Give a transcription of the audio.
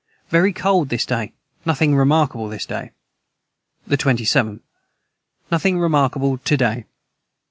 Very cold this day nothing remarkable this day. the 27. Nothing remarkable to day.